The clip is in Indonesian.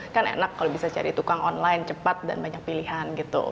kan enak kalau bisa cari tukang online cepat dan banyak pilihan gitu